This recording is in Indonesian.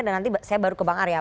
nanti saya baru ke bang arya